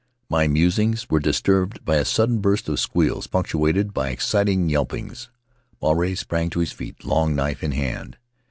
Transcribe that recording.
My musings were disturbed by a sudden burst of squeals, punctuated by excited yelpings. Maruae sprang to his feet, long knife in hand.